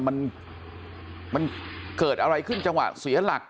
มันมันเกิดอะไรขึ้นจังหวะเสียหลัก